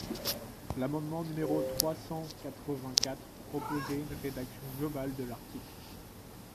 L’amendement numéro trois cent quatre-vingt-quatre proposait une rédaction globale de l’article.